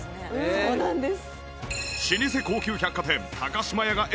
そうなんです。